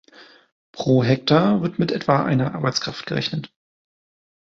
Pro Hektar wird mit etwa einer Arbeitskraft gerechnet.